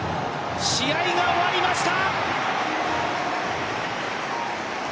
試合が終わりました！